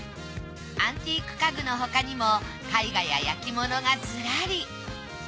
アンティーク家具のほかにも絵画や焼物がずらり。